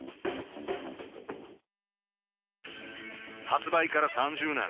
発売から３０年